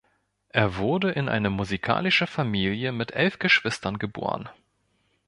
Er wurde in eine musikalische Familie mit elf Geschwistern geboren.